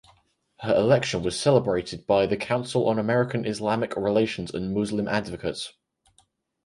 Her election was celebrated by the Council on American–Islamic Relations and Muslim Advocates.